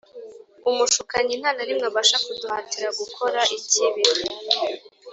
Umushukanyi nta na rimwe abasha kuduhatira gukora ikibi